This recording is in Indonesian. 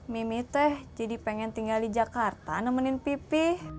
mimi teh jadi pengen tinggal di jakarta nemenin pipih